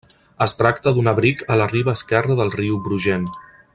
Es tracta d'un abric a la riba esquerra del riu Brugent.